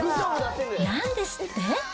なんですって？